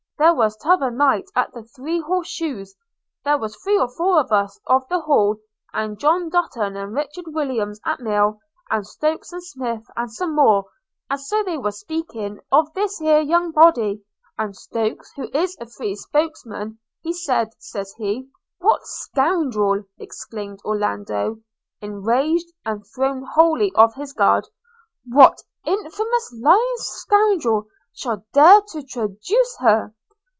There was t'other night at the Three Horse Shoes – there was three or four of us of the Hall, and John Dutton and Richard Williams at Mill, and Stokes and Smith, and some more – and so they were speaking of this here young body; and Stokes, who is a free spoken man, he said, says he' – 'What scoundrel,' exclaimed Orlando, enraged and thrown wholly off his guard, 'what infamous lying scoundrel shall dare to traduce her?